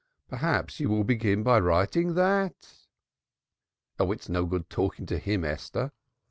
Perhaps you will begin by writing that." "Oh, it's no use talking to him, Esther.